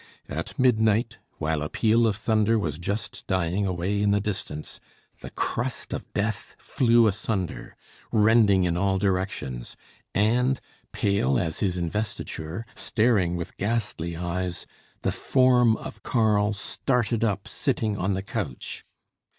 At midnight, while a peal of thunder was just dying away in the distance, the crust of death flew asunder, rending in all directions; and, pale as his investiture, staring with ghastly eyes, the form of Karl started up sitting on the couch.